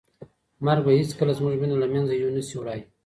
مرګ به هیڅکله زموږ مینه له منځه یو نه شي وړی.